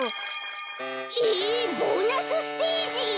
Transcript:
えボーナスステージ！？